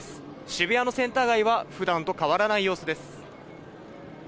渋谷のセンター街は、ふだんと変わらない様子です。